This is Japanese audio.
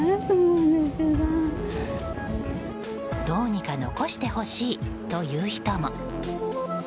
どうにか残してほしいという人も。